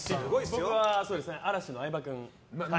僕は、嵐の相葉君から。